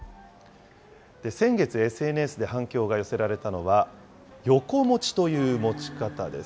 先月、ＳＮＳで反響が寄せられたのは、よこ持ちという持ち方です。